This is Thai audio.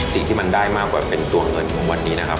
สิ่งที่มันได้มากกว่าเป็นตัวเงินของวันนี้นะครับ